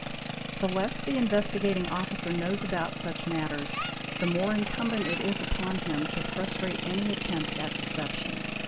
The less the Investigating 'Officer knows about such matters the more incumbent is it upon him to frustrate any attempt at deception.